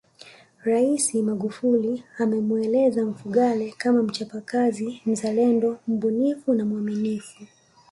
Rais Magufuli amemueleza Mfugale kama mchapakazi mzalendo mbunifu na mwaminifu